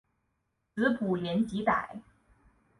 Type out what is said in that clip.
子卜怜吉歹。